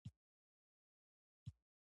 طب ته کامیابېږي او فارغه شي.